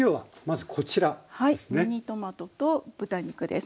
ミニトマトと豚肉です。